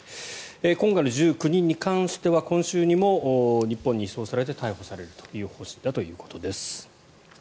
今回の１９人に関しては今週にも日本に移送されて逮捕されるという方針だということです。